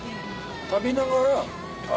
食べながらあ